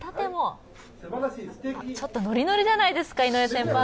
ちょっとノリノリじゃないですか、井上先輩。